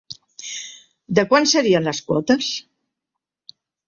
De quant serien les quotes?